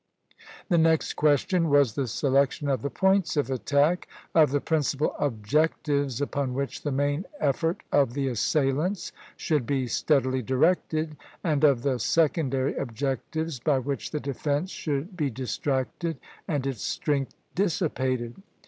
The next question was the selection of the points of attack of the principal objectives upon which the main effort of the assailants should be steadily directed, and of the secondary objectives by which the defence should be distracted and its strength dissipated.